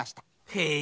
へえ。